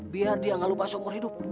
biar dia gak lupa seumur hidup